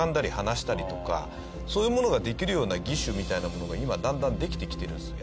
そういうものができるような義手みたいなものが今だんだんできてきてるんですよ。